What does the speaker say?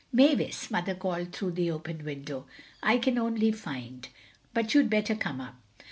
"Mavis!" Mother called through the open window. "I can only find—but you'd better come up."